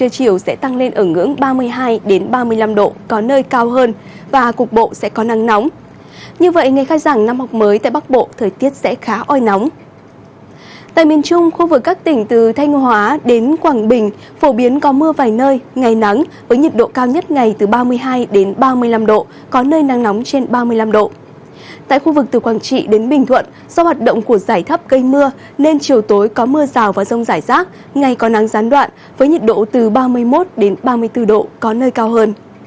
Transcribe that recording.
các bạn hãy đăng ký kênh để ủng hộ kênh của chúng mình nhé